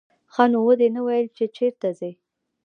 ښه نو ودې نه ویل چې چېرته ځې.